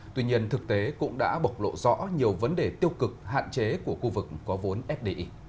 tuy nhiên thực tế cũng đã bộc lộ rõ nhiều vấn đề tiêu cực hạn chế của khu vực có vốn fdi